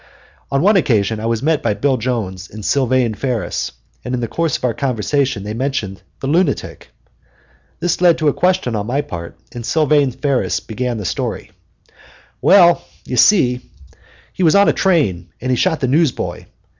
On one occasion I was met by Bill Jones and Sylvane Ferris, and in the course of our conversation they mentioned "the lunatic." This led to a question on my part, and Sylvane Ferris began the story: "Well, you see, he was on a train and he shot the newsboy.